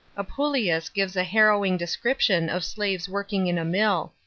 Apnleins Drives a harrowing description of slaves working in a mill.